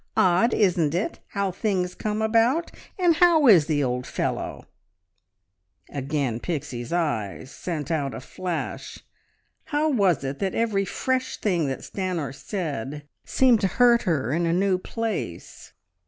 Odd, isn't it, how things come about? And how is the old fellow?" Again Pixie's eyes sent out a flash. How was it that every fresh thing that Stanor said seemed to hurt her in a new place?